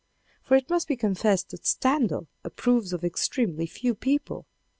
For it must be confessed that Stendhal approves of extremely few people.